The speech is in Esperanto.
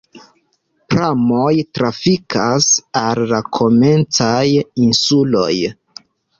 Pramoj trafikas al la komencaj insuloj.